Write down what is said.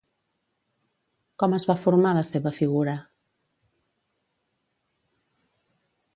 Com es va formar la seva figura?